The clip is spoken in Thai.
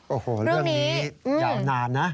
โอ้โหเรื่องนี้ยาวนานนะ